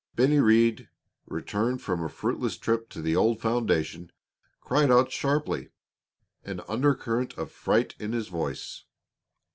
Bennie Rhead, returned from a fruitless trip to the old foundation, cried out sharply, an undercurrent of fright in his voice.